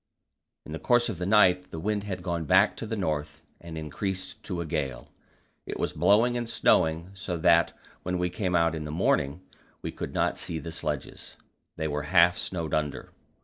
In the course of the night the wind had gone back to the north, and increased to a gale. It was blowing and snowing so that when we came out in the morning we could not see the sledges; they were half snowed under.